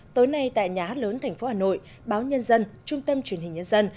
tối nay tại nhà hát lớn tp hà nội báo nhân dân trung tâm truyền hình nhân dân